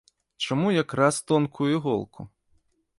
Чаму якраз тонкую іголку?